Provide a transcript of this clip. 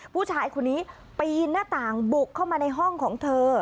ผู้ชายคนนี้ปีนหน้าต่างบุกเข้ามาในห้องของเธอ